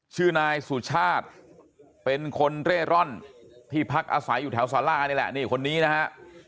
ชื่อนายสุชาติเป็นคนเร่ร่อนที่พักอาศัยอยู่แถวสารานี่แหละนี่คนนี้นะฮะ